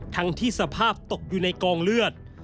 ทั้งที่สภาพตกอยู่ในกองเลือด